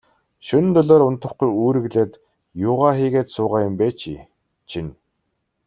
Шөнө дөлөөр унтахгүй, үүрэглээд юугаа хийгээд суугаа юм бэ, чи чинь.